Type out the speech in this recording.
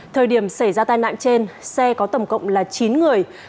thời điểm xảy ra tai nạn trên xe có tổng cộng là chín người